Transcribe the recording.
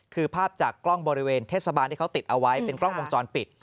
คือภาพจากกล้องบริเวณเทศบาลที่เขาติดเอาไว้เป็นกล้องวงจรปิด